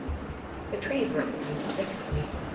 The trees are represented differently.